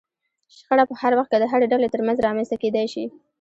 شخړه په هر وخت کې د هرې ډلې ترمنځ رامنځته کېدای شي.